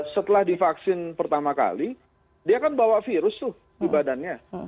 setelah divaksin pertama kali dia kan bawa virus tuh di badannya